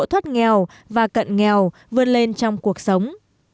thoát nghèo và cận nghèo vươn lên trong cuộc sống